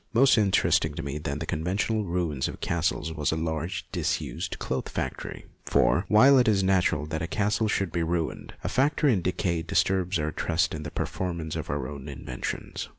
More interesting to me than the conven tional ruins of castles was a large disused cloth factory, for, while it is natural that a castle should be ruined, a factory in decay disturbs our trust in the permanence of our own inventions.